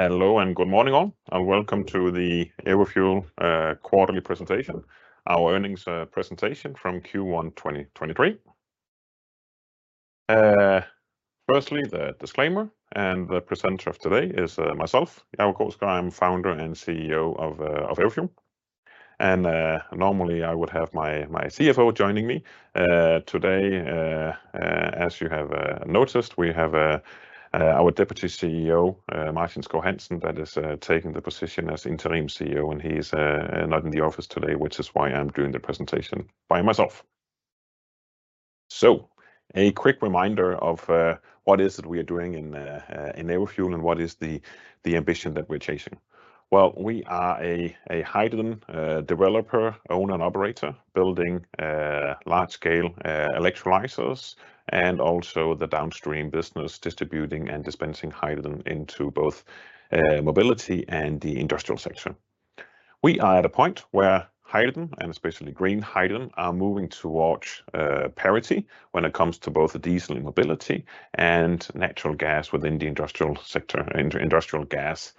Hello and good morning all, welcome to the Everfuel quarterly presentation, our earnings presentation from Q1 2023. Firstly, the disclaimer, the presenter of today is myself, Jacob Krogsgaard. I'm founder and CEO of Everfuel. Normally I would have my CFO joining me. Today, as you have noticed, we have our Deputy CEO, Martin Skov Hansen, that is taking the position as Interim CFO, and he's not in the office today, which is why I'm doing the presentation by myself. A quick reminder of what is it we are doing in Everfuel and what is the ambition that we're chasing. Well, we are a hydrogen developer, owner and operator, building large scale electrolyers and also the downstream business, distributing and dispensing hydrogen into both mobility and the industrial sector. We are at a point where hydrogen, and especially green hydrogen, are moving towards parity when it comes to both diesel mobility and natural gas within the industrial sector, industrial gas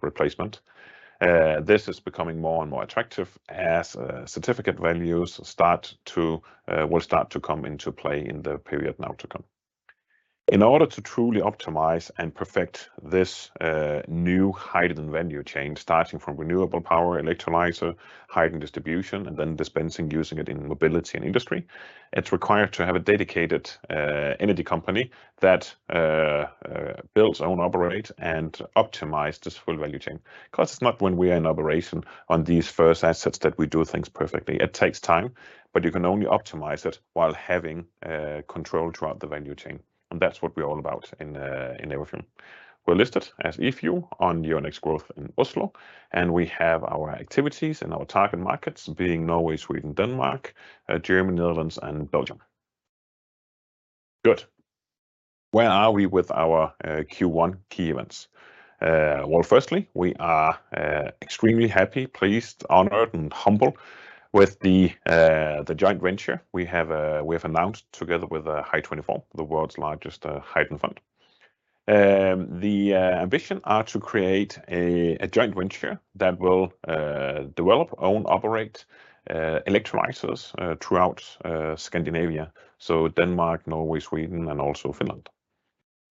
replacement. This is becoming more and more attractive as certificate values start to will start to come into play in the period now to come. In order to truly optimize and perfect this new hydrogen value chain, starting from renewable power, electrolyser, hydrogen distribution, and then dispensing using it in mobility and industry, it's required to have a dedicated energy company that builds, own, operate, and optimize this full value chain. Of course, it's not when we are in operation on these first assets that we do things perfectly. It takes time, but you can only optimize it while having control throughout the value chain, and that's what we're all about in Everfuel. We're listed as EFUEL on Euronext Growth in Oslo, and we have our activities and our target markets being Norway, Sweden, Denmark, Germany, Netherlands and Belgium. Good. Where are we with our Q1 key events? Well, firstly, we are extremely happy, pleased, honored and humble with the joint venture we have announced together with Hy24, the world's largest hydrogen fund. The ambition are to create a joint venture that will develop, own, operate, electrolysers throughout Scandinavia, so Denmark, Norway, Sweden, and also Finland.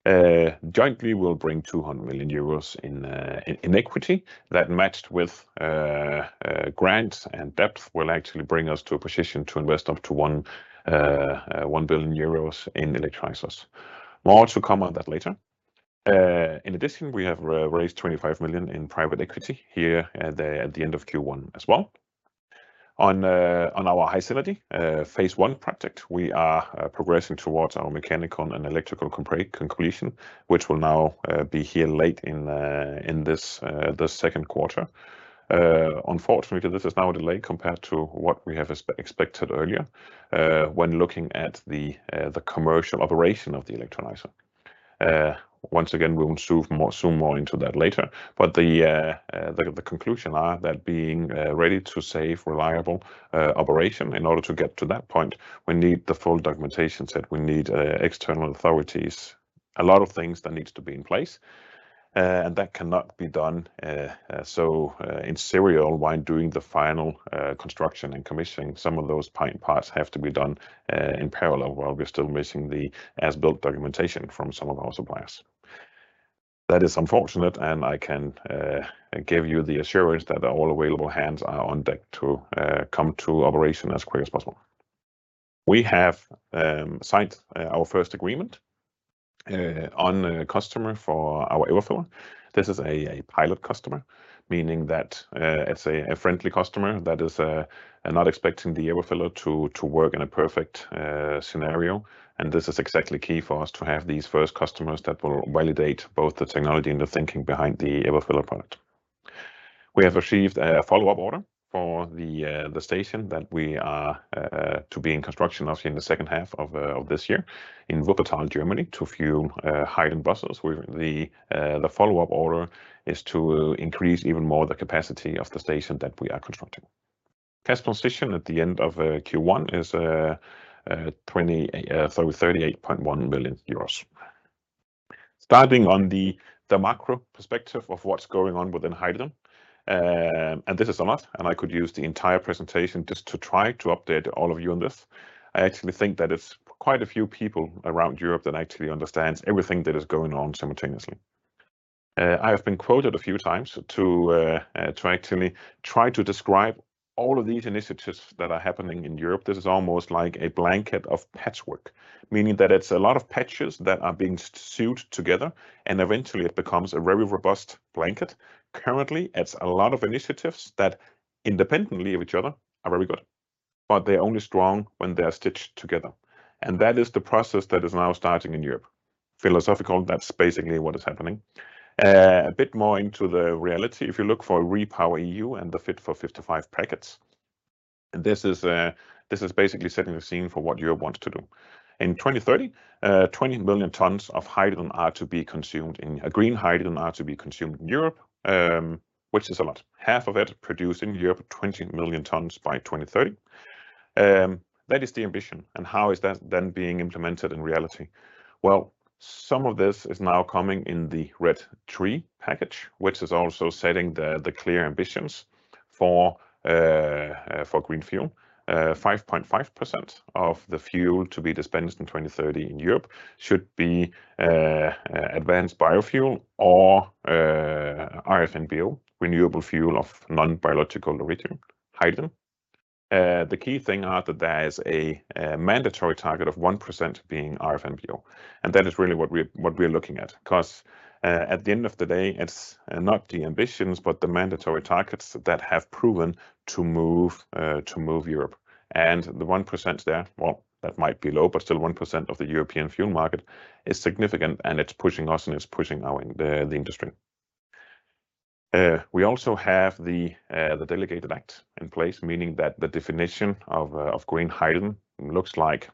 Jointly we'll bring 200 million euros in equity that matched with grants and debt will actually bring us to a position to invest up to 1 billion euros in electrolysers. More to come on that later. In addition, we have raised 25 million in private equity here at the end of Q1 as well. On our HySynergy phase I project, we are progressing towards our mechanical and electrical conclusion, which will now be here late in this the second quarter. Unfortunately, this is now delayed compared to what we have expected earlier when looking at the commercial operation of the electrolyser. Once again, we will zoom more into that later. The, the conclusion are that being ready to safe, reliable, operation, in order to get to that point, we need the full documentation set. We need external authorities, a lot of things that needs to be in place, and that cannot be done so in serial while doing the final construction and commissioning. Some of those point parts have to be done in parallel, while we're still missing the as-built documentation from some of our suppliers. That is unfortunate, and I can give you the assurance that all available hands are on deck to come to operation as quick as possible. We have signed our first agreement on a customer for our Everfiller. This is a pilot customer, meaning that, it's a friendly customer that is not expecting the Everfiller to work in a perfect scenario. This is exactly key for us to have these first customers that will validate both the technology and the thinking behind the Everfiller product. We have received a follow-up order for the station that we are to be in construction of in the second half of this year in Wuppertal, Germany to fuel hydrogen buses with the follow-up order is to increase even more the capacity of the station that we are constructing. Cash transition at the end of Q1 is 20, sorry, 38.1 million euros. Starting on the macro perspective of what's going on within hydrogen, and this is a lot, and I could use the entire presentation just to try to update all of you on this. I actually think that it's quite a few people around Europe that actually understands everything that is going on simultaneously. I have been quoted a few times to actually try to describe all of these initiatives that are happening in Europe. This is almost like a blanket of patchwork, meaning that it's a lot of patches that are being sewed together, and eventually it becomes a very robust blanket. Currently, it's a lot of initiatives that independently of each other are very good, but they're only strong when they are stitched together, and that is the process that is now starting in Europe. Philosophical, that's basically what is happening. A bit more into the reality. If you look for REPowerEU and the Fit for 55 packets. This is basically setting the scene for what Europe wants to do. In 2030, 20 million tons of green hydrogen are to be consumed in Europe, which is a lot. Half of it produced in Europe, 20 million tons by 2030. That is the ambition. How is that then being implemented in reality? Well, some of this is now coming in the RED III package, which is also setting the clear ambitions for green fuel. 5.5% of the fuel to be dispensed in 2030 in Europe should be advanced biofuel or RFNBO, renewable fuel of non-biological origin, hydrogen. Uh, the key thing are that there is a, a mandatory target of 1% being RFNBO, and that is really what we, what we're looking at. 'Cause, uh, at the end of the day, it's not the ambitions but the mandatory targets that have proven to move, uh, to move Europe. And the 1% there, well, that might be low, but still, 1% of the European fuel market is significant, and it's pushing us, and it's pushing our... The, the industry. Uh, we also have the, uh, the delegated act in place, meaning that the definition of, uh, of green hydrogen looks like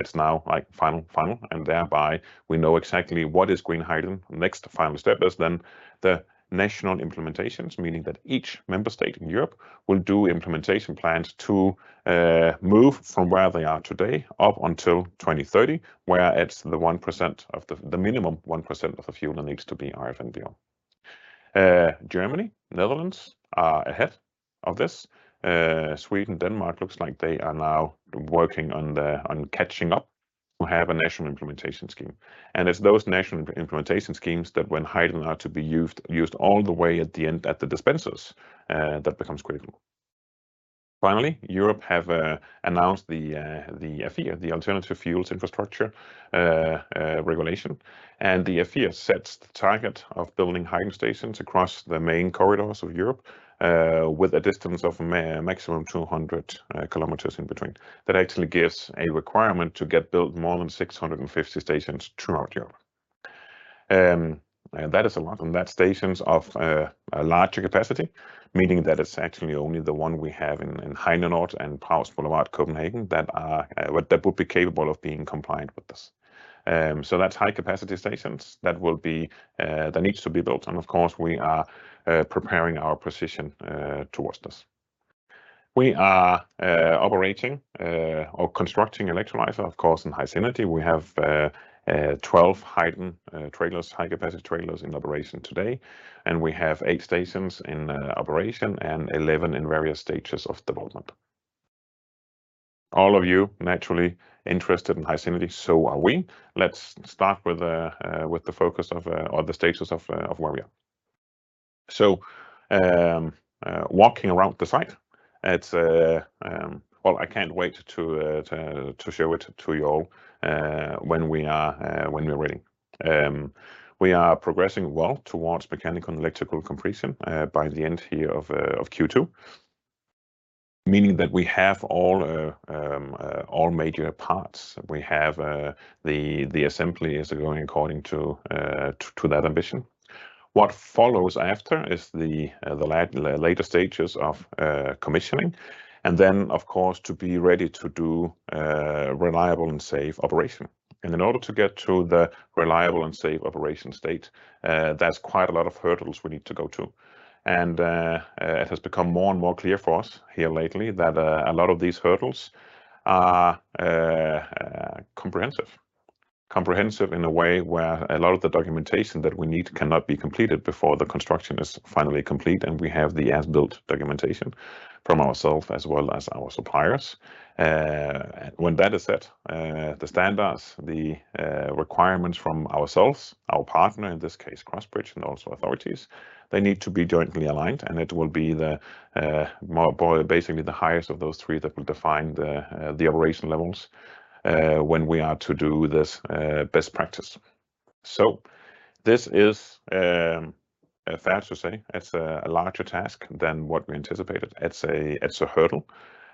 it's now, like, final, final, and thereby we know exactly what is green hydrogen. The final step is then the national implementations, meaning that each member state in Europe will do implementation plans to move from where they are today up until 2030, where it's the minimum 1% of the fuel that needs to be RFNBO. Germany, Netherlands are ahead of this. Sweden, Denmark looks like they are now working on catching up to have a national implementation scheme. It's those national implementation schemes that when hydrogen are to be used all the way at the end, at the dispensers, that becomes critical. Europe have announced the AFIR, the Alternative Fuels Infrastructure Regulation. The AFIR sets the target of building hydrogen stations across the main corridors of Europe, with a distance of maximum 200 km in between. That actually gives a requirement to get built more than 650 stations throughout Europe. That is a lot. That's stations of a larger capacity. Meaning that it's actually only the one we have in Heinenoord and Prags Boulevard Copenhagen that would be capable of being compliant with this. So that's high-capacity stations that will be that needs to be built. Of course we are preparing our position towards this. We are operating or constructing electrolyser, of course, in HySynergy. We have 12 hydrogen trailers, high-capacity trailers in operation today. We have eight stations in operation and 11 in various stages of development. All of you naturally interested in HySynergy. Are we. Let's start with the focus of, or the status of where we are. Walking around the site, it's. Well, I can't wait to, to show it to you all, when we are, when we're ready. We are progressing well towards mechanical and electrical completion, by the end here of Q2. Meaning that we have all major parts. We have, the assembly is going according to, to that ambition. What follows after is the later stages of commissioning and then, of course, to be ready to do a reliable and safe operation. In order to get to the reliable and safe operation state, that's quite a lot of hurdles we need to go to. It has become more and more clear for us here lately that a lot of these hurdles are comprehensive. Comprehensive in a way where a lot of the documentation that we need cannot be completed before the construction is finally complete, and we have the as-built documentation from ourself as well as our suppliers. When that is set, the standards, the requirements from ourselves, our partner, in this case Crossbridge, and also authorities, they need to be jointly aligned, and it will be the basically the highest of those three that will define the the operation levels when we are to do this best practice. This is fair to say, it's a larger task than what we anticipated. It's a, it's a hurdle.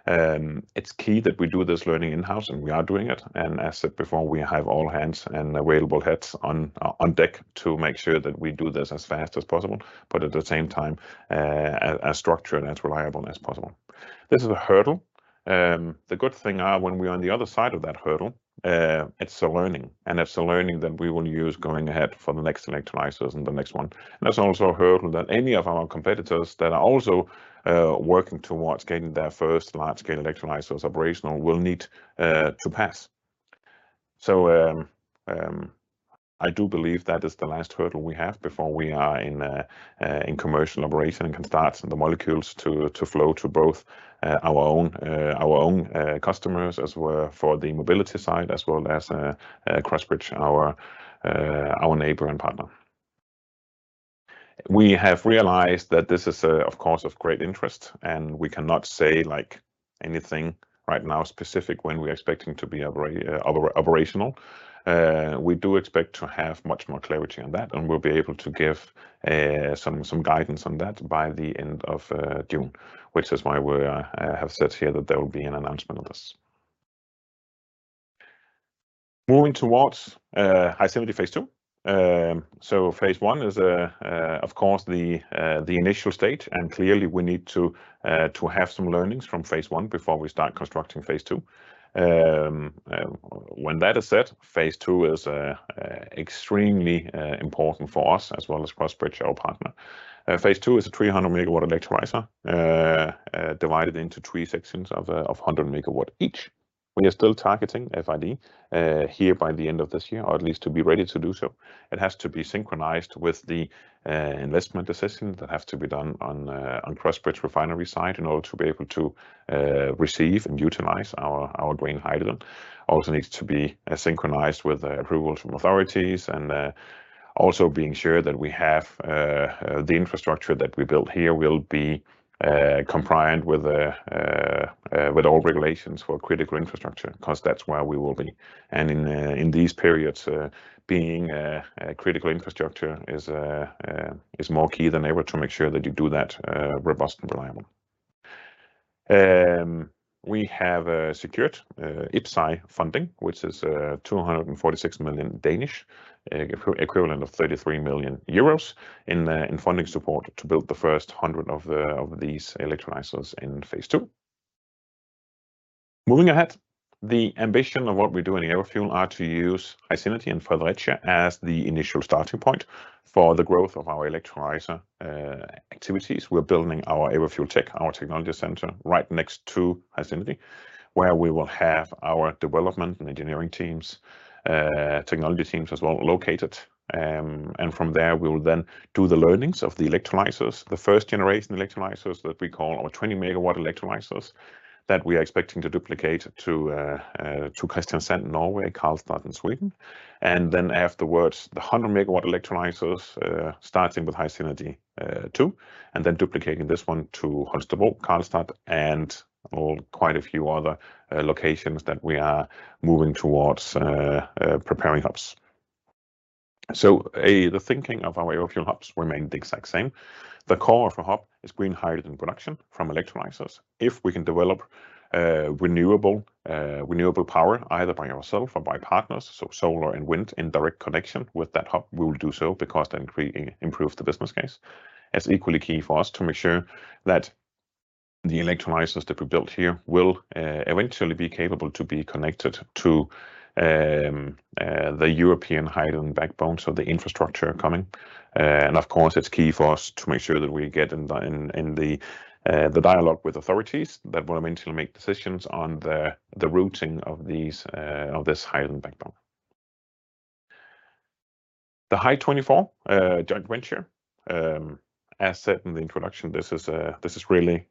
It's key that we do this learning in-house, and we are doing it. As said before, we have all hands and available heads on deck to make sure that we do this as fast as possible but at the same time, as structured and as reliable as possible. This is a hurdle. The good thing are when we're on the other side of that hurdle, it's a learning, and it's a learning that we will use going ahead for the next electrolysers and the next one. That's also a hurdle that any of our competitors that are also working towards getting their first large-scale electrolysers operational will need to pass. I do believe that is the last hurdle we have before we are in commercial operation and can start the molecules to flow to both our own customers for the mobility side, as well as Crossbridge, our neighbor and partner. We have realized that this is, of course, of great interest, we cannot say, like, anything right now specific when we're expecting to be operational. We do expect to have much more clarity on that, we'll be able to give some guidance on that by the end of June, which is why we have said here that there will be an announcement on this. Moving towards HySynergy phase II. phase I is, of course, the initial state, and clearly we need to have some learnings from phase I before we start constructing phase II. When that is set, phase II is extremely important for us as well as Crossbridge, our partner. Phase II is a 300 MW electrolyser, divided into three sections of 100 MW each. We are still targeting FID here by the end of this year, or at least to be ready to do so. It has to be synchronized with the investment decisions that have to be done on Crossbridge refinery side in order to be able to receive and utilize our green hydrogen. Needs to be synchronized with approvals from authorities and also being sure that we have the infrastructure that we build here will be compliant with all regulations for critical infrastructure, 'cause that's where we will be. In these periods, being critical infrastructure is more key than ever to make sure that you do that robust and reliable. We have secured IPCEI funding, which is 246 million equivalent of 33 million euros in funding support to build the first 100 of these electrolysers in phase II. Moving ahead, the ambition of what we do in Everfuel are to use HySynergy in Fredericia as the initial starting point for the growth of our electrolyser activities. We're building our Everfuel Tech, our technology center, right next to HySynergy, where we will have our development and engineering teams, technology teams as well located. From there, we will then do the learnings of the electrolysers. The first generation electrolysers that we call our 20 MW electrolysers that we are expecting to duplicate to Kristiansand, Norway, Karlstab in Sweden. Afterwards, the 100-MW electrolysers, starting with HySynergy 2, and then duplicating this one to Hundested, Karlstab, and, well, quite a few other locations that we are moving towards preparing hubs. The thinking of our Everfuel hubs remain the exact same. The core of a hub is green hydrogen production from electrolysers. If we can develop renewable renewable power, either by ourself or by partners, so solar and wind in direct connection with that hub, we will do so because that improve the business case. It's equally key for us to make sure that the electrolysers that we built here will eventually be capable to be connected to the European hydrogen backbone, so the infrastructure coming. Of course, it's key for us to make sure that we get in the dialogue with authorities that will eventually make decisions on the routing of this hydrogen backbone. The Hy24 joint venture, as said in the introduction, this is really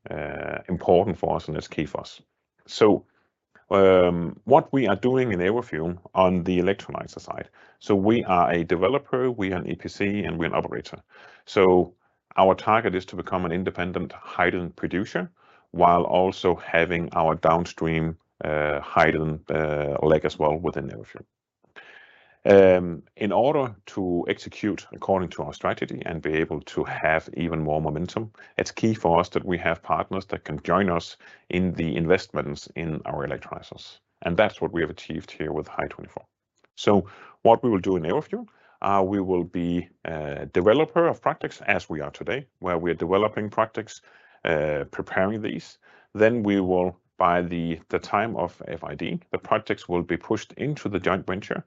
important for us and it's key for us. What we are doing in Everfuel on the electrolyser side, we are a developer, we are an EPC, and we're an operator. Our target is to become an independent hydrogen producer while also having our downstream hydrogen leg as well within Everfuel. In order to execute according to our strategy and be able to have even more momentum, it's key for us that we have partners that can join us in the investments in our electrolysers. That's what we have achieved here with Hy24. What we will do in Everfuel, we will be a developer of projects as we are today, where we are developing projects, preparing these. Then we will, by the time of FID, the projects will be pushed into the joint venture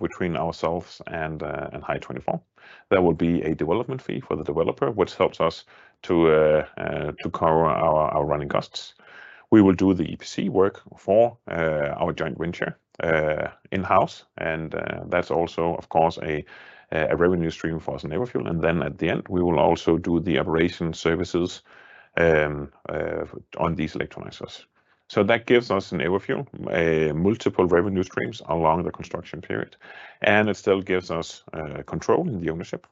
between ourselves and Hy24. There will be a development fee for the developer, which helps us to cover our running costs. We will do the EPC work for our joint venture in-house, and that's also of course a revenue stream for us in Everfuel. At the end, we will also do the operation services on these electrolysers. That gives us in Everfuel multiple revenue streams along the construction period, and it still gives us control in the ownership.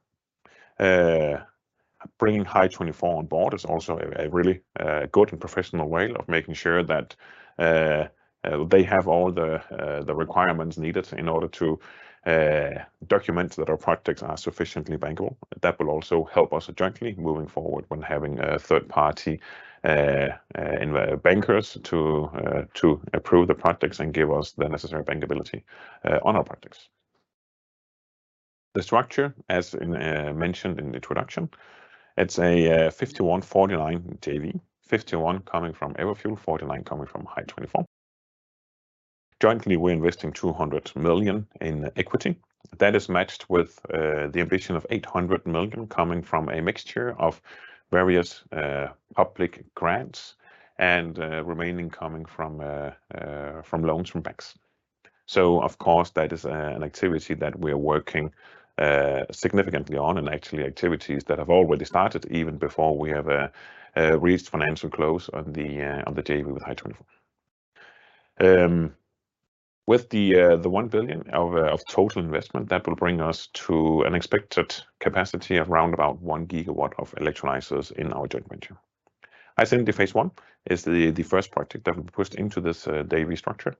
Bringing Hy24 on board is also a really good and professional way of making sure that they have all the requirements needed in order to document that our projects are sufficiently bankable. That will also help us jointly moving forward when having a third party in bankers to approve the projects and give us the necessary bankability on our projects. The structure, as in mentioned in the introduction, it's a 51-49 JV. 51 coming from Everfuel, 49 coming from Hy24. Jointly, we're investing 200 million in equity. That is matched with the ambition of 800 million coming from a mixture of various public grants and remaining coming from loans from banks. Of course, that is an activity that we're working significantly on, and actually activities that have already started even before we have reached financial close on the JV with Hy24. With the 1 billion of total investment, that will bring us to an expected capacity of around about 1 GW of electrolysers in our joint venture. HySynergy phase I is the first project that will be pushed into this JV structure.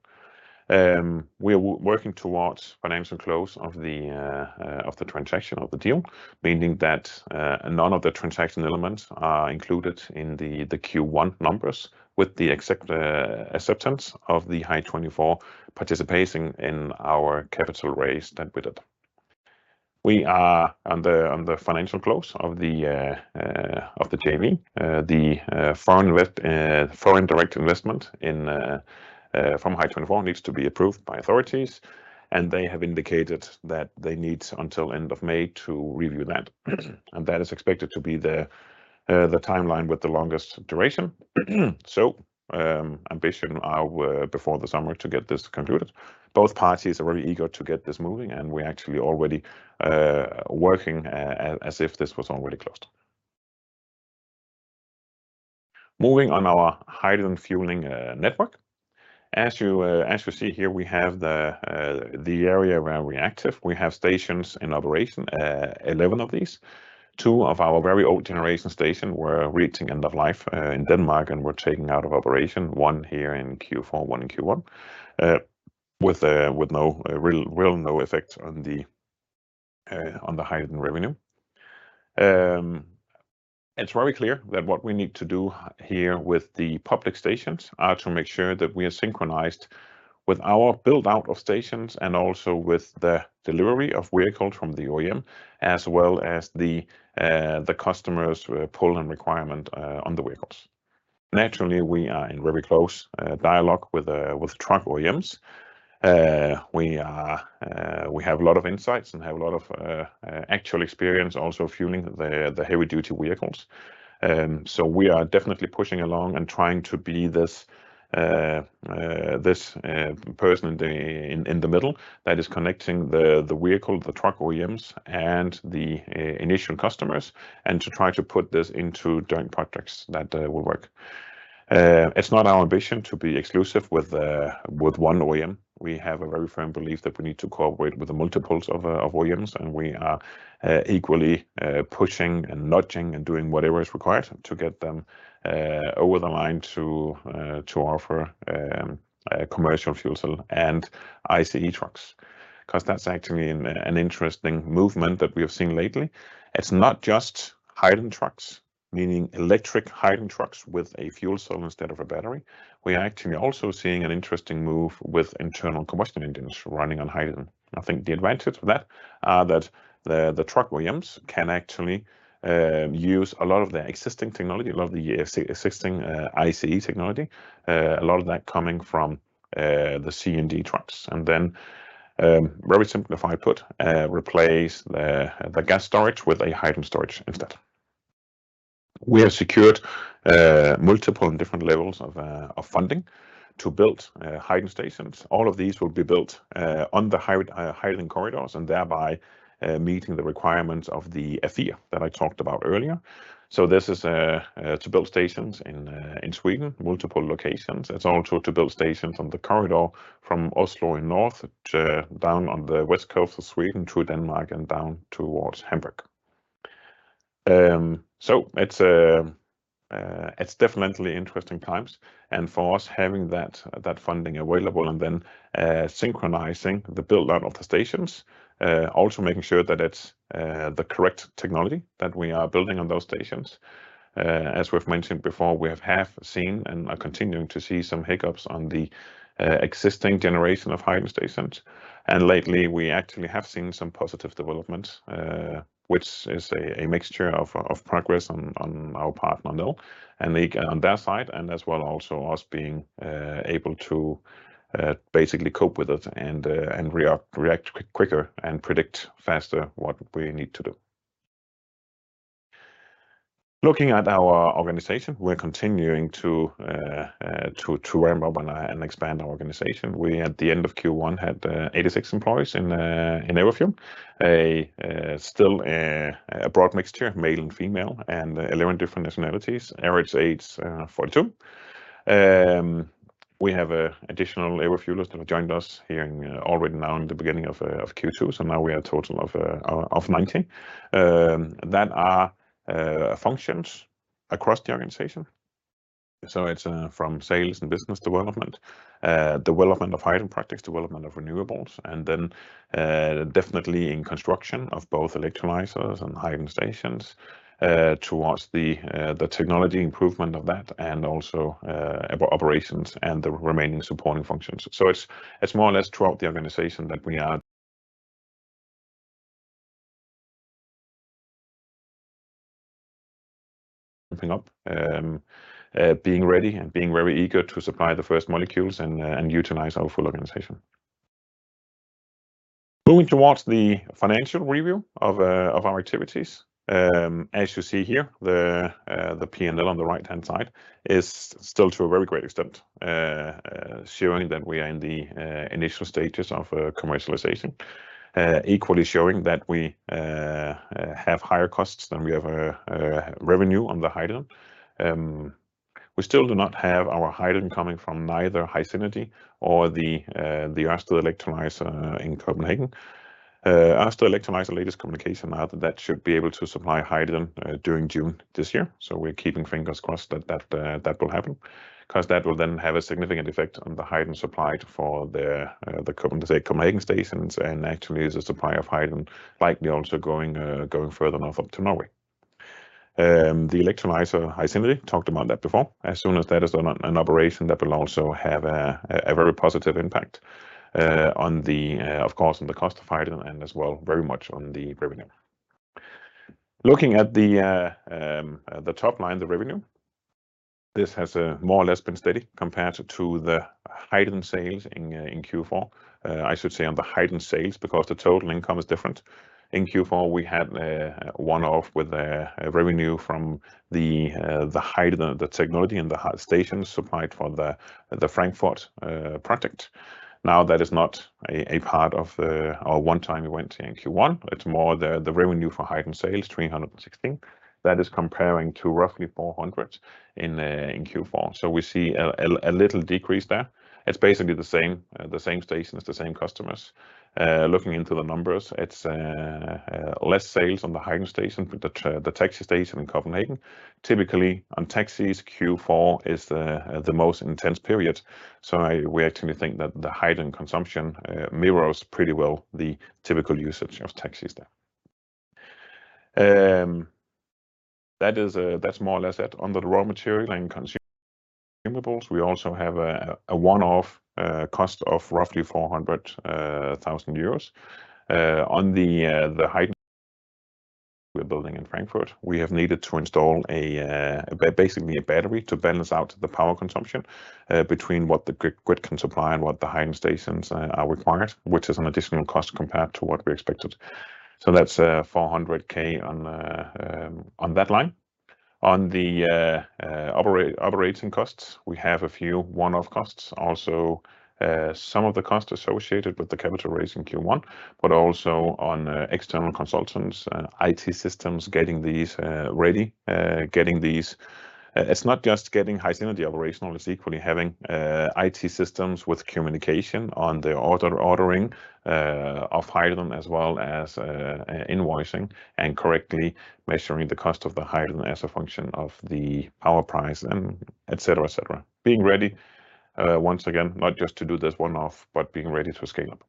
We are working towards financial close of the transaction, of the deal, meaning that none of the transaction elements are included in the Q1 numbers with the acceptance of the Hy24 participating in our capital raise that we did. We are on the financial close of the JV. The foreign direct investment from Hy24 needs to be approved by authorities, and they have indicated that they need until end of May to review that. That is expected to be the timeline with the longest duration. Ambition are before the summer to get this concluded. Both parties are very eager to get this moving, and we're actually already working as if this was already closed. Moving on our hydrogen fueling network. As you see here, we have the area where we're active. We have stations in operation, 11 of these. Two of our very old generation station were reaching end of life in Denmark and were taken out of operation, one here in Q4, one in Q1. With no real no effect on the hydrogen revenue. It's very clear that what we need to do here with the public stations are to make sure that we are synchronized with our build-out of stations and also with the delivery of vehicles from the OEM, as well as the customers, pull and requirement on the vehicles. Naturally, we are in very close dialogue with truck OEMs. We are, we have a lot of insights and have a lot of actual experience also fueling the heavy-duty vehicles. We are definitely pushing along and trying to be this person in the middle that is connecting the vehicle, the truck OEMs, and the initial customers, and to try to put this into joint projects that will work. It's not our ambition to be exclusive with one OEM. We have a very firm belief that we need to cooperate with multiples of OEMs, and we are equally pushing and nudging and doing whatever is required to get them over the line to offer commercial fuel cell and ICE trucks. 'Cause that's actually an interesting movement that we have seen lately. It's not just hydrogen trucks, meaning electric hydrogen trucks with a fuel cell instead of a battery. We are actually also seeing an interesting move with internal combustion engines running on hydrogen. I think the advantage with that are that the truck OEMs can actually use a lot of the existing technology, a lot of the existing ICE technology, a lot of that coming from the CNG trucks. Very simplified put, replace the gas storage with a hydrogen storage instead. We have secured multiple and different levels of funding to build hydrogen stations. All of these will be built on the hydrogen corridors and thereby meeting the requirements of the AFIR that I talked about earlier. This is to build stations in Sweden, multiple locations. It's also to build stations on the corridor from Oslo in north to down on the west coast of Sweden to Denmark and down towards Hamburg. It's definitely interesting times, and for us, having that funding available and synchronizing the build-out of the stations, also making sure that it's the correct technology that we are building on those stations. As we've mentioned before, we have half seen and are continuing to see some hiccups on the existing generation of hydrogen stations. Lately we actually have seen some positive developments, which is a mixture of progress on our part, Nel, on their side, and as well also us being able to basically cope with it and react quicker and predict faster what we need to do. Looking at our organization, we're continuing to ramp up and expand our organization. We, at the end of Q1, had 86 employees in Everfuel. Still a broad mixture, male and female, and 11 different nationalities. Average age, 42. We have a additional Everfuellers that have joined us here already now in the beginning of Q2. Now we are a total of 90 that are functions across the organization. It's from sales and business development of hydrogen projects, development of renewables, and then definitely in construction of both electrolysers and hydrogen stations towards the technology improvement of that and also operations and the remaining supporting functions. It's more or less throughout the organization that we are opening up, being ready and being very eager to supply the first molecules and utilize our full organization. Moving towards the financial review of our activities. As you see here, the P&L on the right-hand side is still, to a very great extent, showing that we are in the initial stages of commercialization. Equally showing that we have higher costs than we have revenue on the hydrogen. We still do not have our hydrogen coming from neither HySynergy or the Astro electrolyser in Copenhagen. Astro electrolyser latest communication are that that should be able to supply hydrogen during June this year. We're keeping fingers crossed that that will happen. ‘Cause that will then have a significant effect on the hydrogen supply to, for the Copenhagen stations and actually the supply of hydrogen likely also going further north up to Norway. The electrolyser HySynergy talked about that before. As soon as that is on an operation, that will also have a very positive impact on the, of course, on the cost of hydrogen and as well very much on the revenue. Looking at the top line, the revenue, this has more or less been steady compared to the Hyden sales in Q4. I should say on the Hyden sales because the total income is different. In Q4, we had one-off with the revenue from the Hyden, the technology and the stations supplied for the Frankfurt project. Now, that is not a part of the... Or one-time event in Q1. It's more the revenue for Hyden sales, 316. That is comparing to roughly 400 in Q4. We see a little decrease there. It's basically the same, the same stations, the same customers. Looking into the numbers, it's less sales on the Hyden station, the taxi station in Copenhagen. Typically, on taxis, Q4 is the most intense period. We actually think that the Hyden consumption mirrors pretty well the typical usage of taxis there. That is, that's more or less it. Under the raw material and consumables, we also have a one-off cost of roughly 400,000 euros. Rebuilding in Frankfurt, we have needed to install a basically a battery to balance out the power consumption between what the grid can supply and what the Hyden stations require, which is an additional cost compared to what we expected. So that's 400,000 on that line. On the operating costs, we have a few one-off costs. Also, some of the costs associated with the capital raise in Q1, but also on external consultants and IT systems, getting these ready, getting these... It's not just getting HySynergy operational It's equally having IT systems with communication on the ordering of hydrogen as well as invoicing and correctly measuring the cost of the hydrogen as a function of the power price and et cetera, et cetera. Being ready, once again, not just to do this one-off, but being ready to scale up.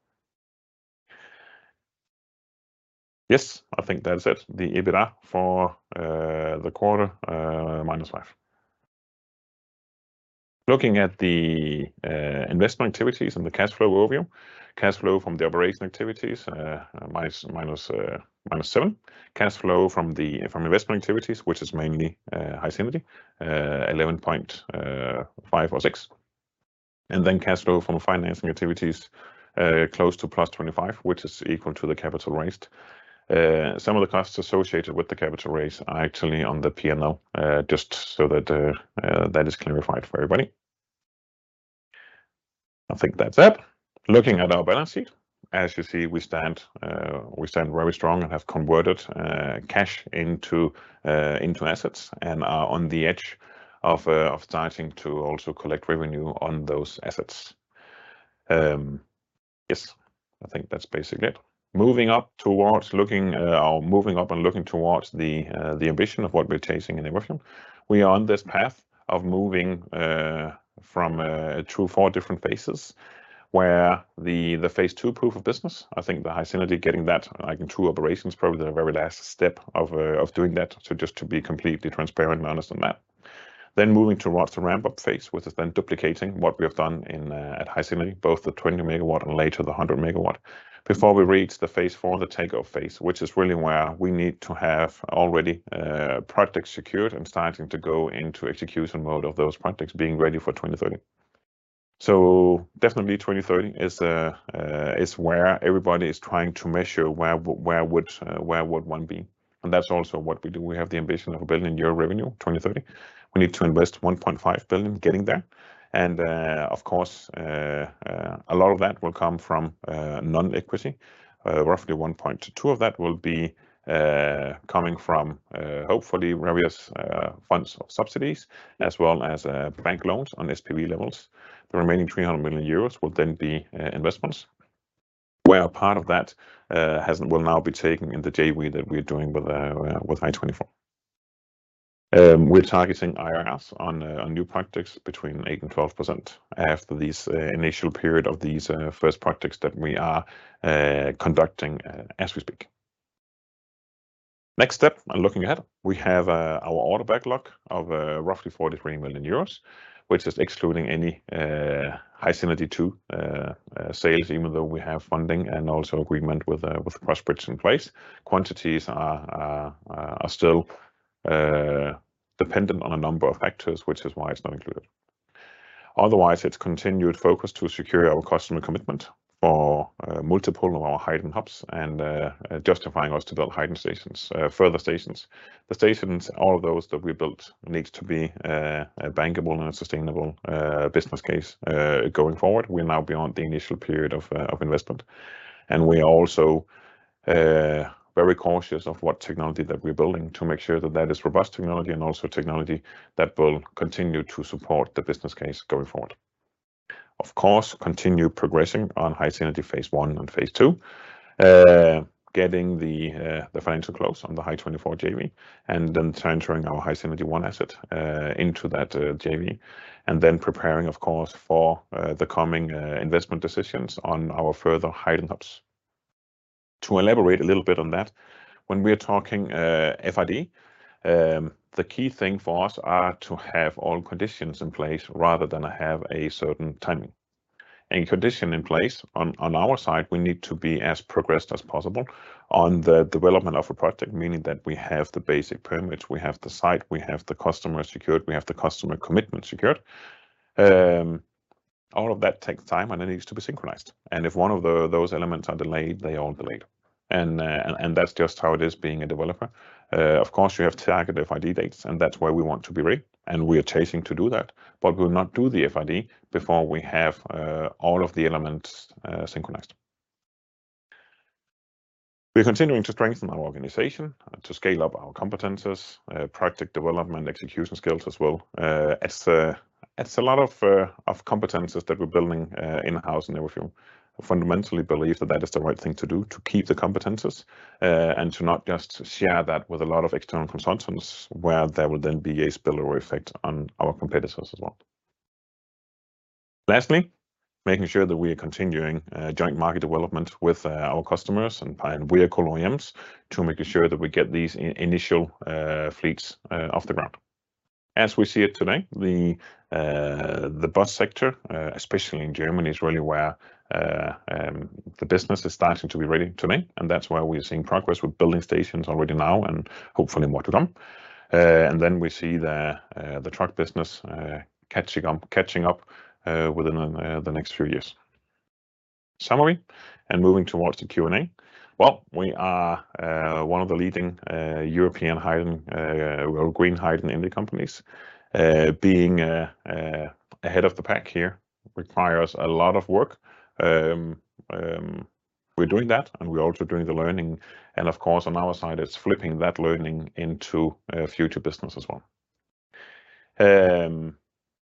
Yes, I think that's it. The EBITDA for the quarter, -5. Looking at the investment activities and the cash flow overview. Cash flow from the operational activities, -7. Cash flow from investment activities, which is mainly HySynergy, 11.5 or 6. Cash flow from financing activities, close to +25, which is equal to the capital raised. Some of the costs associated with the capital raise are actually on the P&L, just so that that is clarified for everybody. I think that's it. Looking at our balance sheet, as you see, we stand very strong and have converted cash into assets and are on the edge of starting to also collect revenue on those assets. Yes, I think that's basically it. Moving up towards looking or moving up and looking towards the the ambition of what we're chasing in Evolution. We are on this path of moving from through four different phases, where the the phase II proof of business, I think the HySynergy getting that like in two operations, probably the very last step of doing that. Just to be completely transparent and honest on that. Moving towards the ramp-up phase, which is then duplicating what we have done in at HySynergy, both the 20 MW and later the 100 MW. Before we reach Phase IV, the take-off phase, which is really where we need to have already projects secured and starting to go into execution mode of those projects being ready for 2030. Definitely 2030 is is where everybody is trying to measure where would one be. That's also what we do. We have the ambition of 1 billion euro revenue, 2030. We need to invest 1.5 billion getting there. Of course, a lot of that will come from non-equity. Roughly 1.2 of that will be coming from hopefully various funds or subsidies, as well as bank loans on SPV levels. Remaining 300 million euros will be investments, where part of that will now be taken in the JV that we're doing with Hy24. We're targeting IRRs on new projects between 8%-12% after this initial period of these first projects that we are conducting as we speak. Next step and looking ahead, we have our order backlog of roughly 43 million euros, which is excluding any HySynergy 2 sales, even though we have funding and also agreement with Crossbridge in place. Quantities are still dependent on a number of factors, which is why it's not included. Otherwise, it's continued focus to secure our customer commitment for multiple of our Hyden hubs and justifying us to build Hyden stations, further stations. The stations, all of those that we built needs to be a bankable and a sustainable business case going forward. We are also very cautious of what technology that we're building to make sure that that is robust technology and also technology that will continue to support the business case going forward. Of course, continue progressing on HySynergy phase I and phase II. Getting the financial close on the Hy24 JV, and then transferring our HySynergy 1 asset into that JV, and then preparing, of course, for the coming investment decisions on our further Hyden hubs. To elaborate a little bit on that, when we're talking FID, the key thing for us are to have all conditions in place rather than have a certain timing. Condition in place on our side, we need to be as progressed as possible on the development of a project, meaning that we have the basic permits, we have the site, we have the customer secured, we have the customer commitment secured. All of that takes time, and it needs to be synchronized. If one of those elements are delayed, they're all delayed. That's just how it is being a developer. Of course, we have target FID dates, and that's why we want to be ready, and we are chasing to do that. We'll not do the FID before we have all of the elements synchronized. We're continuing to strengthen our organization to scale up our competences, project development, execution skills as well, as a lot of competences that we're building in-house in Everfuel. Fundamentally believe that that is the right thing to do to keep the competences and to not just share that with a lot of external consultants where there would then be a spillover effect on our competitors as well. Lastly, making sure that we are continuing joint market development with our customers and vehicle OEMs to make sure that we get these initial fleets off the ground. As we see it today, the bus sector, especially in Germany, is really where the business is starting to be ready to me, and that's why we're seeing progress with building stations already now and hopefully more to come. Then we see the truck business catching up, catching up within the next few years. Summary and moving towards the Q&A. Well, we are one of the leading European hydrogen, or green hydrogen energy companies. Being ahead of the pack here requires a lot of work. We're doing that, and we're also doing the learning. Of course, on our side, it's flipping that learning into future business as well.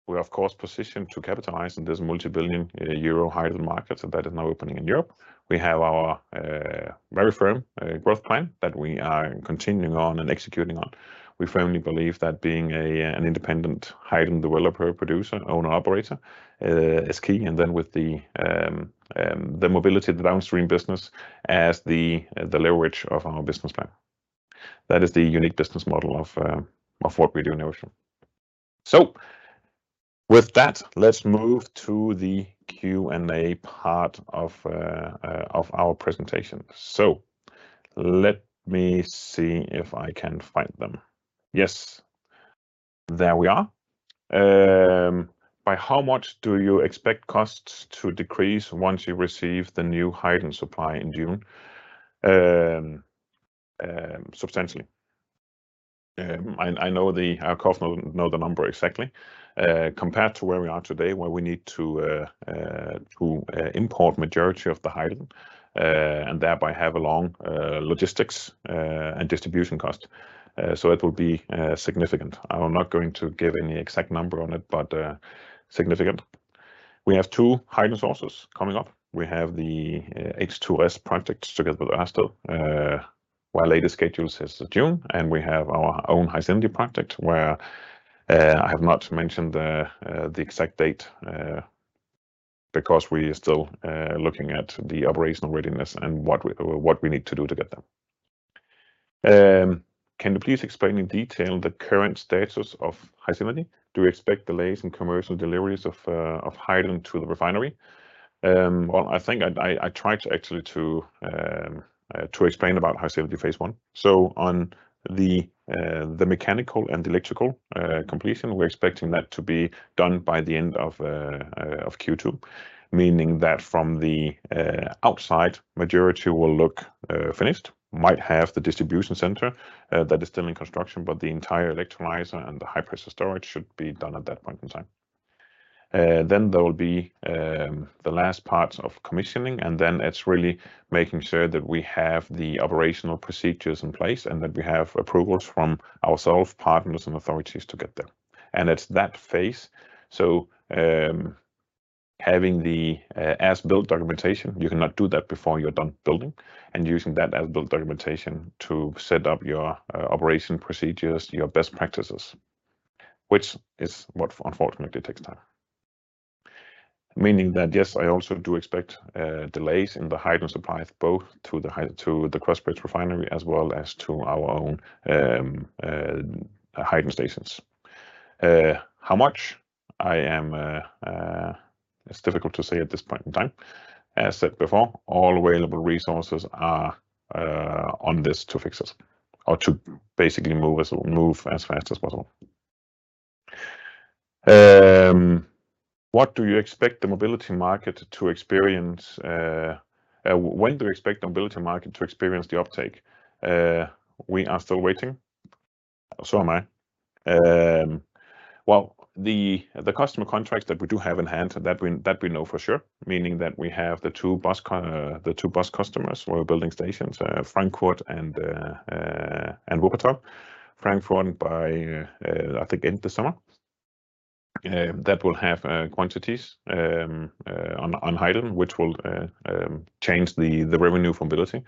We're of course positioned to capitalize on this multi-billion EUR hydrogen market that is now opening in Europe. We have our very firm growth plan that we are continuing on and executing on. We firmly believe that being an independent hydrogen developer, producer, owner, operator, is key. With the mobility, the downstream business as the leverage of our business plan. That is the unique business model of what we do in Everfuel. With that, let's move to the Q&A part of our presentation. Let me see if I can find them. Yes. There we are. By how much do you expect costs to decrease once you receive the new hydrogen supply in June? Substantially. Our cost will know the number exactly. Compared to where we are today, where we need to import majority of the hydrogen, and thereby have a long logistics and distribution cost. It will be significant. I'm not going to give any exact number on it, but significant. We have two hydrogen sources coming up. We have the H2S project together with Ørsted, while latest schedule says June, and we have our own HySynergy project where I have not mentioned the exact date, because we are still looking at the operational readiness and what we need to do to get there. Can you please explain in detail the current status of HySynergy? Do you expect delays in commercial deliveries of hydrogen to the refinery? I think I tried to actually to explain about HySynergy phase I. On the mechanical and electrical completion, we're expecting that to be done by the end of Q2, meaning that from the outside, majority will look finished, might have the distribution center that is still in construction, but the entire electrolyser and the high-pressure storage should be done at that point in time. There will be the last part of commissioning, and then it's really making sure that we have the operational procedures in place and that we have approvals from ourselves, partners, and authorities to get there. It's that phase, having the as-built documentation, you cannot do that before you're done building, and using that as-built documentation to set up your operation procedures, your best practices, which is what unfortunately takes time. Meaning that, yes, I also do expect delays in the hydrogen supply both to the Crossbridge refinery as well as to our own hydrogen stations. How much I am... It's difficult to say at this point in time. As said before, all available resources are on this to fix this or to basically move as fast as possible. What do you expect the mobility market to experience, when do you expect the mobility market to experience the uptake? We are still waiting. So am I. Well, the customer contracts that we do have in hand, that we, that we know for sure, meaning that we have the two bus customers we're building stations, Frankfurt and Wuppertal. Frankfurt by, I think in the summer, that will have quantities on hydrogen, which will change the revenue from mobility.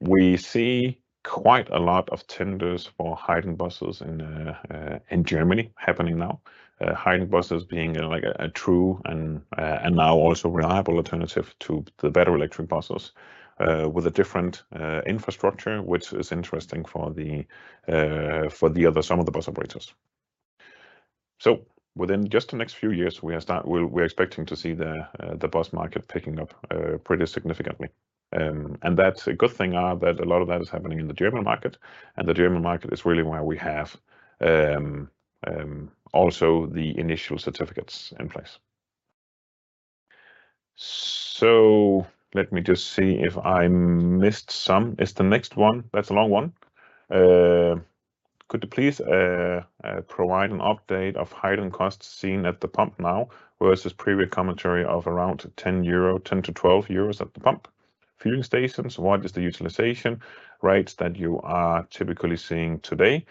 We see quite a lot of tenders for hydrogen buses in Germany happening now. Hydrogen buses being like a true and now also reliable alternative to the better electric buses, with a different infrastructure, which is interesting for the other some of the bus operators. Within just the next few years we're expecting to see the bus market picking up pretty significantly. That's a good thing that a lot of that is happening in the German market, and the German market is really where we have also the initial certificates in place. Let me just see if I missed some. It's the next one. That's a long one. Could you please provide an update of hydrogen costs seen at the pump now versus previous commentary of around 10 euro, 10- 12 euros at the pump? Fueling stations, what is the utilization rates that you are typically seeing today?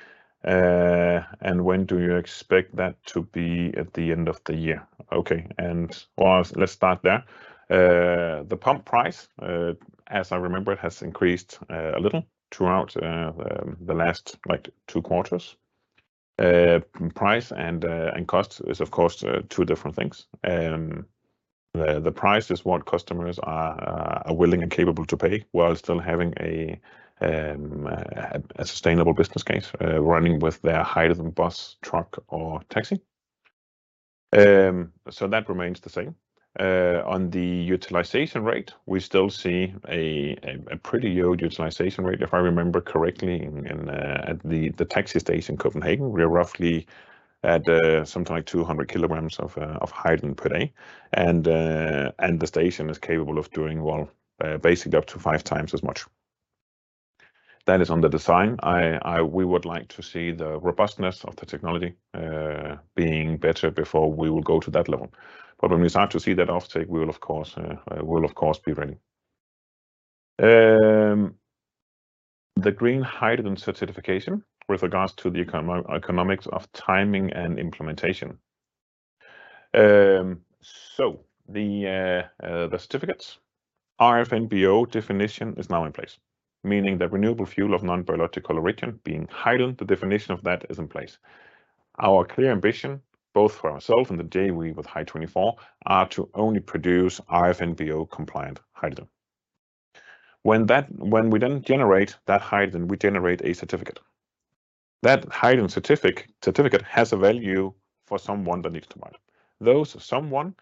When do you expect that to be at the end of the year? Okay. Well let's start there. The pump price, as I remember it, has increased a little throughout the last like two quarters. Price and cost is of course two different things. The price is what customers are willing and capable to pay while still having a sustainable business case running with their hydrogen bus, truck, or taxi. That remains the same. On the utilization rate, we still see a pretty low utilization rate. If I remember correctly in at the taxi station in Copenhagen, we're roughly at something like 200 kg of hydrogen per day. The station is capable of doing well, basically up to five times as much. That is under design. We would like to see the robustness of the technology being better before we will go to that level. When we start to see that off-take, we will of course, we will of course be ready. The green hydrogen certification with regards to the economics of timing and implementation. The certificates. RFNBO definition is now in place, meaning the renewable fuel of non-biological origin being hydrogen, the definition of that is in place. Our clear ambition, both for ourselves and the joint venture with Hy24, are to only produce RFNBO compliant hydrogen. When we then generate that hydrogen, we generate a certificate. That hydrogen certificate has a value for someone that needs to buy it. Those someone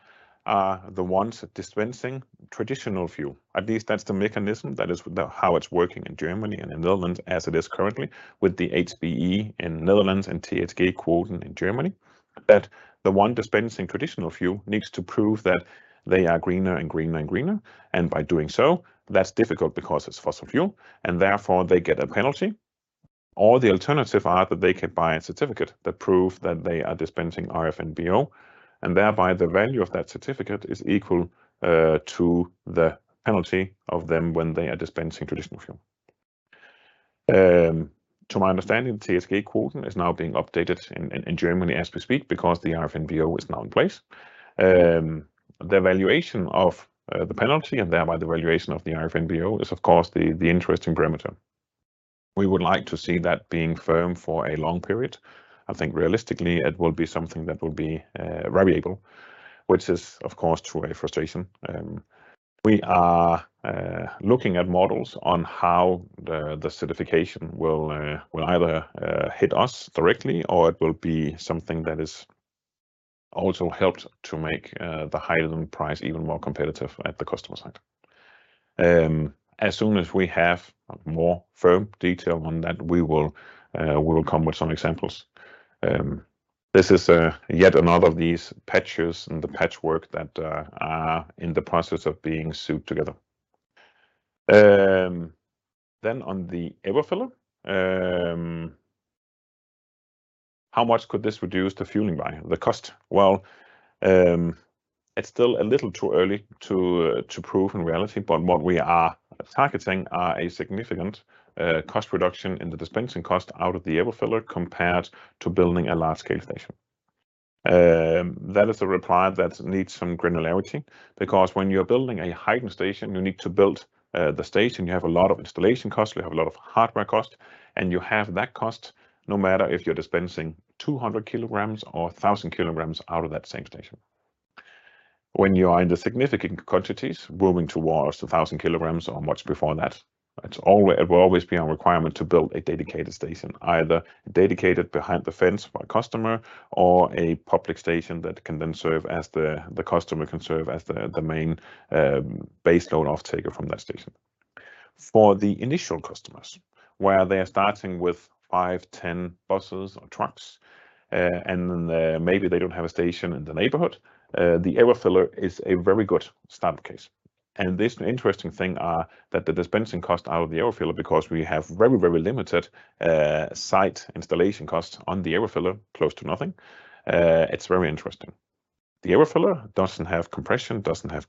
are the ones dispensing traditional fuel. At least that's the mechanism. That is the how it's working in Germany and in the Netherlands as it is currently with the HBE in Netherlands and THG quota in Germany, that the one dispensing traditional fuel needs to prove that they are greener and greener and greener. By doing so, that's difficult because it's fossil fuel. Therefore they get a penalty. The alternative are that they can buy a certificate that prove that they are dispensing RFNBO. Thereby the value of that certificate is equal to the penalty of them when they are dispensing traditional fuel. To my understanding, THG quota is now being updated in Germany as we speak, because the RFNBO is now in place. The valuation of the penalty and thereby the valuation of the RFNBO is of course the interesting parameter. We would like to see that being firm for a long period. I think realistically it will be something that will be variable, which is of course true, a frustration. We are looking at models on how the certification will either hit us directly, or it will be something that is also helped to make the hydrogen price even more competitive at the customer side. As soon as we have more firm detail on that, we will come with some examples. This is yet another of these patches in the patchwork that are in the process of being sewed together. On the Everfiller, how much could this reduce the fueling by, the cost? It's still a little too early to prove in reality, but what we are targeting are a significant cost reduction in the dispensing cost out of the Everfiller compared to building a large scale station. That is a reply that needs some granularity, because when you're building a hydrogen station, you need to build the station. You have a lot of installation costs, you have a lot of hardware costs, and you have that cost no matter if you're dispensing 200 kg or 1,000 kg out of that same station. When you are into significant quantities, moving towards the 1,000 kg or much before that, it will always be a requirement to build a dedicated station, either dedicated behind the fence by customer or a public station that can then serve as the customer can serve as the main base load off-taker from that station. For the initial customers, where they are starting with five, 10 buses or trucks, and then maybe they don't have a station in the neighborhood, the Everfiller is a very good start case. This interesting thing are that the dispensing cost out of the Everfiller because we have very, very limited site installation costs on the Everfiller, close to nothing. It's very interesting. The Everfiller doesn't have compression, doesn't have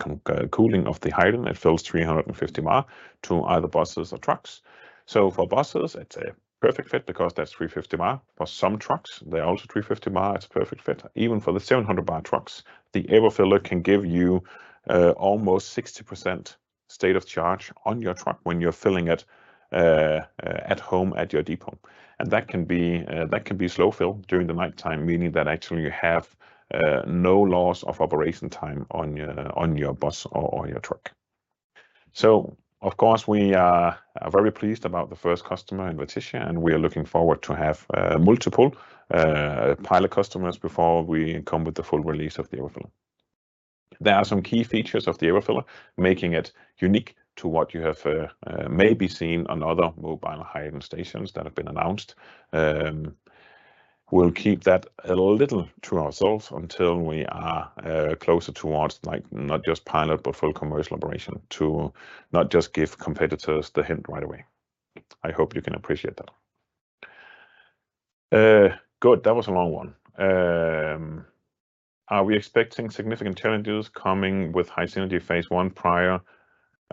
cooling of the hydrogen. It fills 350 bar to either buses or trucks. For buses, it's a perfect fit because that's 350 bar. For some trucks, they're also 350 bar. It's a perfect fit. Even for the 700 bar trucks, the EverFiller can give you almost 60% state of charge on your truck when you're filling it at home at your depot. That can be slow fill during the nighttime, meaning that actually you have no loss of operation time on your bus or on your truck. Of course, we are very pleased about the first customer in Fredericia, and we are looking forward to have multiple pilot customers before we come with the full release of the EverFiller. There are some key features of the Everfiller making it unique to what you have, maybe seen on other mobile hydrogen stations that have been announced. We'll keep that a little to ourselves until we are closer towards not just pilot, but full commercial operation to not just give competitors the hint right away. I hope you can appreciate that. Good. That was a long one. Are we expecting significant challenges coming with HySynergy phase I prior?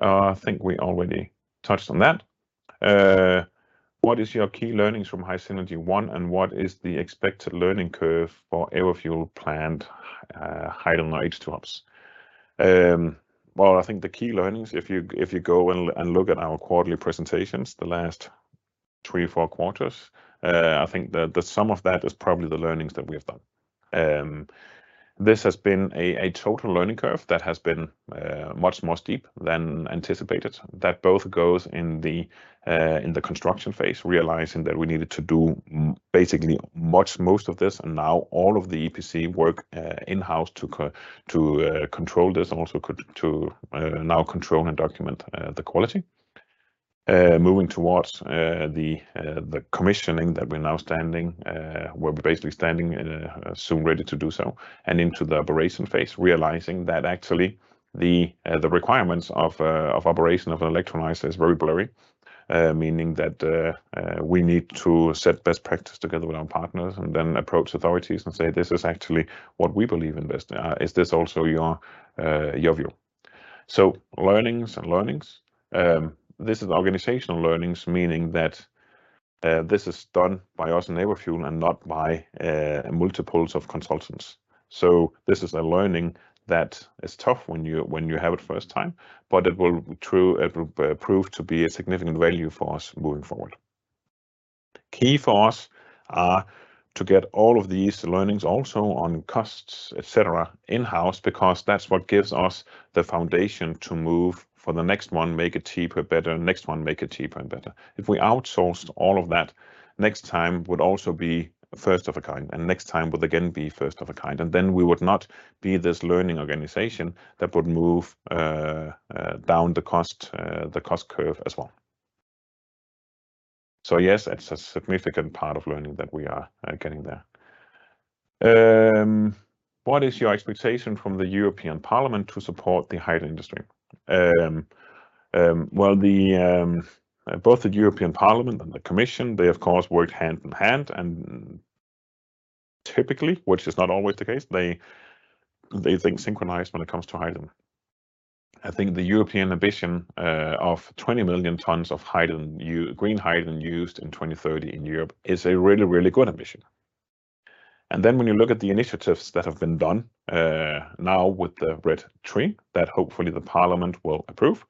I think we already touched on that. What is your key learnings from HySynergy 1, and what is the expected learning curve for Everfuel planned hydrogen H2 hubs? Well, I think the key learnings, if you, if you go and look at our quarterly presentations the last three, four quarters, I think the sum of that is probably the learnings that we have done. This has been a total learning curve that has been much more steep than anticipated. That both goes in the construction phase, realizing that we needed to do basically much most of this and now all of the EPC work in-house to control this and also to now control and document the quality. Moving towards the commissioning that we're now standing, we're basically standing and soon ready to do so, and into the operation phase, realizing that actually the requirements of operation of an electrolyser is very blurry, meaning that we need to set best practice together with our partners and then approach authorities and say, "This is actually what we believe in this. Is this also your view?" Learnings and learnings. This is organizational learnings, meaning that this is done by us in Everfuel and not by multiples of consultants. This is a learning that is tough when you, when you have it first time, but it will prove to be a significant value for us moving forward. Key for us are to get all of these learnings also on costs, et cetera, in-house because that's what gives us the foundation to move for the next one, make it cheaper, better. Next one, make it cheaper and better. If we outsourced all of that, next time would also be first of a kind, and next time would again be first of a kind. We would not be this learning organization that would move down the cost curve as well. Yes, it's a significant part of learning that we are getting there. What is your expectation from the European Parliament to support the hydrogen industry? Well, the both the European Parliament and the Commission, they of course work hand in hand, and typically, which is not always the case, they think synchronized when it comes to hydrogen. I think the European ambition of 20 million tons of green hydrogen used in 2030 in Europe is a really, really good ambition. When you look at the initiatives that have been done now with the RED III, that hopefully the Parliament will approve,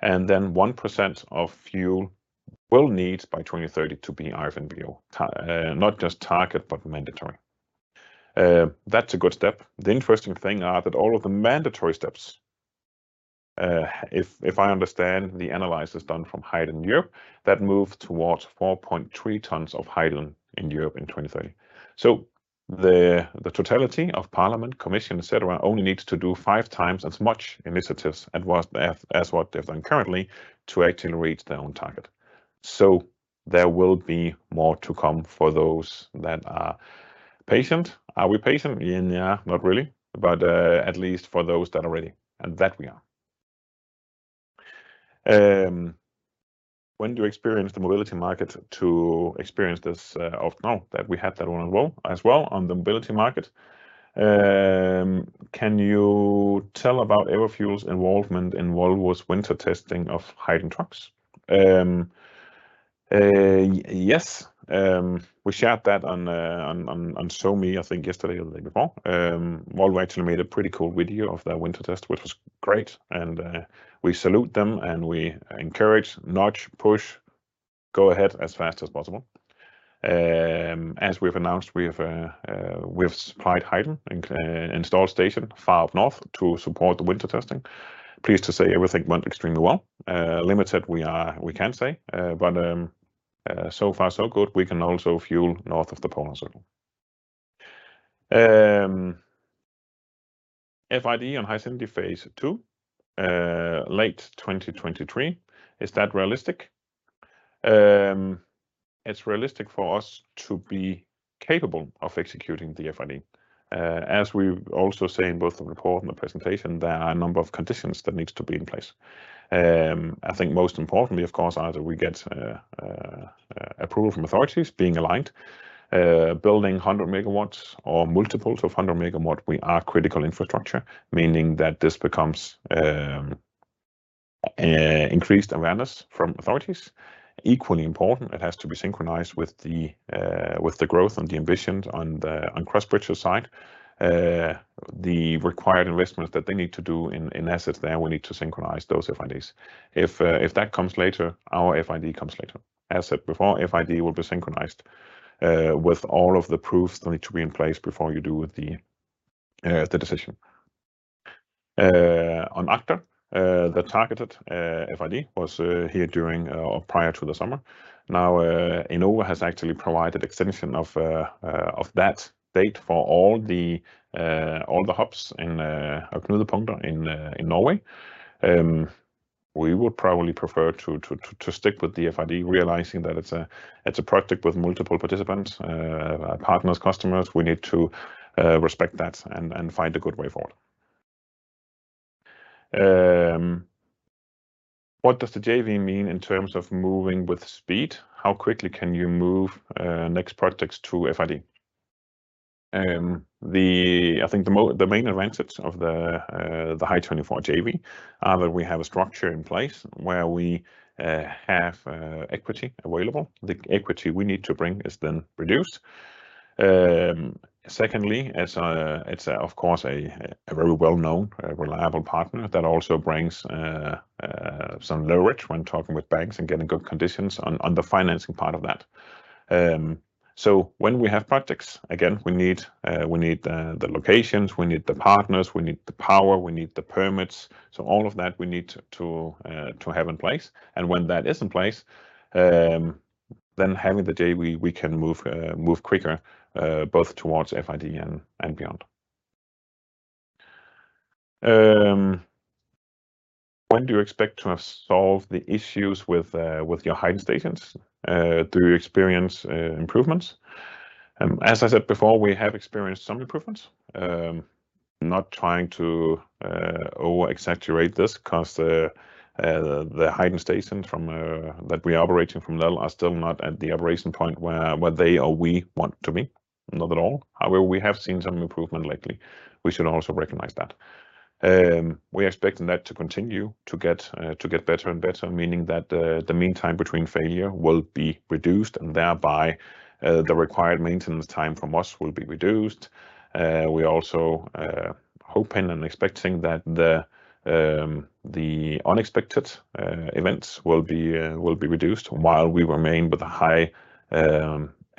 then 1% of fuel will need by 2030 to be RFNBO, not just target, but mandatory. That's a good step. The interesting thing are that all of the mandatory steps, if I understand the analysis done from Hydrogen Europe, that move towards 4.3 tons of hydrogen in Europe in 2030. The, the totality of Parliament, Commission, et cetera, only needs to do five times as much initiatives as what they have, as what they've done currently to actually reach their own target. There will be more to come for those that are patient. Are we patient? Yeah, not really. At least for those that are ready, and that we are. When do you experience the mobility market to experience this? No, that we had that one as well. As well, on the mobility market, can you tell about Everfuel's involvement in Volvo's winter testing of hydrogen trucks? Yes. We shared that on SoMe, I think yesterday or the day before. Volvo actually made a pretty cool video of their winter test, which was great. We salute them, and we encourage, nudge, push, go ahead as fast as possible. As we've announced, we have supplied hydrogen and installed station far up north to support the winter testing. Pleased to say everything went extremely well. Limited we are, we can say. So far so good. We can also fuel north of the polar circle. FID on HySynergy phase II, late 2023. Is that realistic? It's realistic for us to be capable of executing the FID. As we also say in both the report and the presentation, there are a number of conditions that needs to be in place. I think most importantly, of course, either we get approval from authorities being aligned. Building 100 MWs or multiples of 100 MW, we are critical infrastructure, meaning that this becomes increased awareness from authorities. Equally important, it has to be synchronized with the growth and the ambitions on Crossbridge's side. The required investments that they need to do in assets there, we need to synchronize those FIDs. If that comes later, our FID comes later. As said before, FID will be synchronized with all of the proofs that need to be in place before you do the decision. On Aker, the targeted FID was here during or prior to the summer. Now, Enova has actually provided extension of that date for all the hubs in Knudepunkt in Norway. We would probably prefer to stick with the FID realizing that it's a project with multiple participants, partners, customers. We need to respect that and find a good way forward. What does the JV mean in terms of moving with speed? How quickly can you move next projects to FID? I think the main advantage of the Hy24 JV are that we have a structure in place where we have equity available. The equity we need to bring is then reduced. Secondly, as a, it's of course a very well-known, reliable partner that also brings some leverage when talking with banks and getting good conditions on the financing part of that. When we have projects, again, we need the locations, we need the partners, we need the power, we need the permits. All of that we need to have in place, and when that is in place, having the JV, we can move quicker both towards FID and beyond. When do you expect to have solved the issues with your hydrogen stations? Do you experience improvements? As I said before, we have experienced some improvements. Not trying to over exaggerate this 'cause the hydrogen stations from that we are operating from Leir are still not at the operation point where they or we want to be. Not at all. We have seen some improvement lately. We should also recognize that. We are expecting that to continue to get better and better, meaning that the mean time between failure will be reduced and thereby, the required maintenance time from us will be reduced. We also hoping and expecting that the unexpected events will be reduced while we remain with a high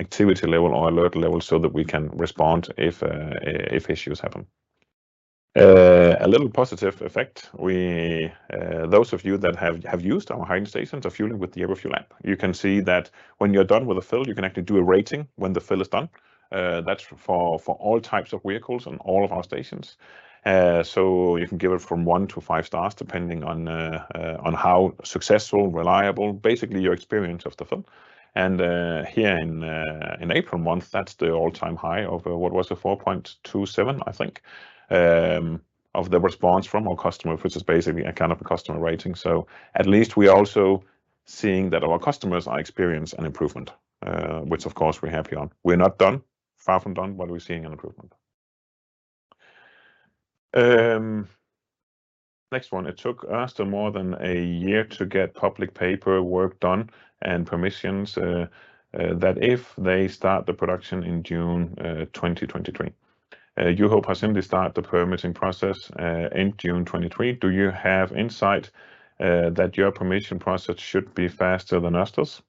activity level or alert level so that we can respond if issues happen. A little positive effect. We... Those of you that have used our hydrogen stations or fueling with the H2 Fuel App, you can see that when you're done with the fill, you can actually do a rating when the fill is done. That's for all types of vehicles on all of our stations. You can give it from one to five stars depending on how successful, reliable, basically your experience of the fill. Here in April month, that's the all-time high of what was it? 4.27, I think, of the response from our customer, which is basically a kind of a customer rating. At least we are also seeing that our customers are experience an improvement, which of course we're happy on. We're not done, far from done, but we're seeing an improvement. Next one. It took Aker more than a year to get public paper work done and permissions, that if they start the production in June 2023. Europe has simply start the permitting process in June 2023. Do you have insight that your permission process should be faster than Aker's?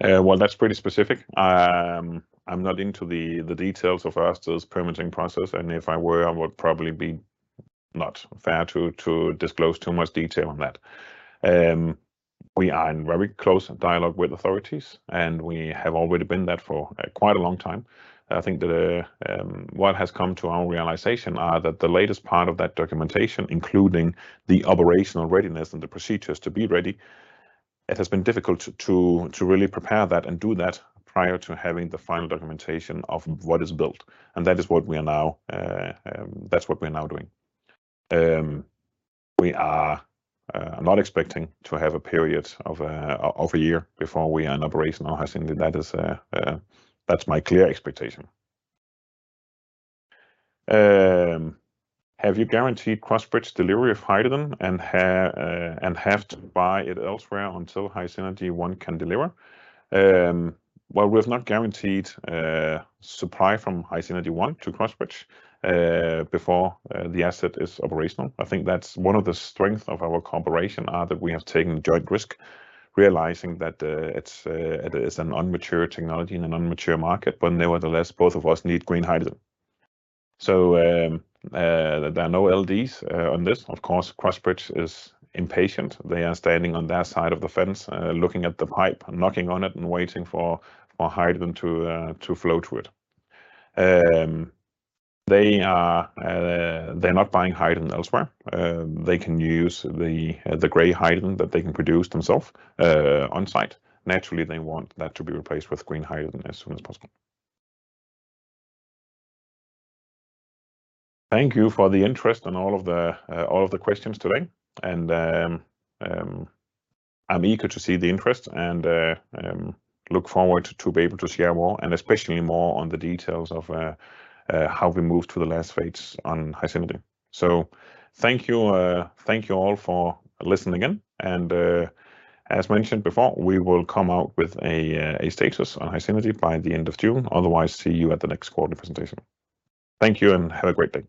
Well, that's pretty specific. I'm not into the details of Aker's permitting process, and if I were, I would probably be not fair to disclose too much detail on that. We are in very close dialogue with authorities, and we have already been that for quite a long time. I think the, what has come to our realization are that the latest part of that documentation, including the operational readiness and the procedures to be ready, it has been difficult to really prepare that and do that prior to having the final documentation of what is built, and that is what we are now, that's what we're now doing. We are not expecting to have a period of a year before we are in operation or That is, that's my clear expectation. Have you guaranteed Crossbridge delivery of hydrogen and have to buy it elsewhere until HySynergy 1 can deliver? Well, we have not guaranteed supply from HySynergy 1 to Crossbridge before the asset is operational. I think that's one of the strength of our cooperation are that we have taken the joint risk, realizing that it's it is an immature technology in an immature market, but nevertheless, both of us need green hydrogen. There are no LDs on this. Of course, Crossbridge is impatient. They are standing on their side of the fence, looking at the pipe and knocking on it and waiting for hydrogen to flow to it. They are, they're not buying hydrogen elsewhere. They can use the gray hydrogen that they can produce themselves on site. Naturally, they want that to be replaced with green hydrogen as soon as possible. Thank you for the interest and all of the questions today. I'm eager to see the interest and look forward to be able to share more and especially more on the details of how we move to the last phase on HySynergy. Thank you. Thank you all for listening in. As mentioned before, we will come out with a status on HySynergy by the end of June. Otherwise, see you at the next quarter presentation. Thank you, and have a great day.